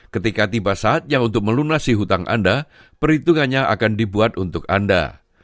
ketika tiba saatnya untuk melunasi hutang anda perhitungannya akan dibuat untuk anda